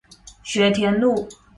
學田路